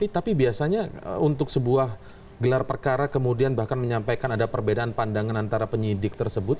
tapi biasanya untuk sebuah gelar perkara kemudian bahkan menyampaikan ada perbedaan pandangan antara penyidik tersebut